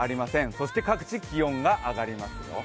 そして各地気温が上がりますよ。